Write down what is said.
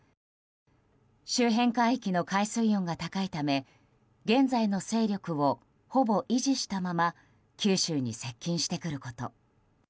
周辺海域の海水温が高いため現在の勢力をほぼ維持したまま九州に接近してくること。